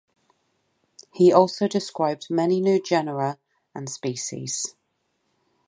He also described many new genera and species.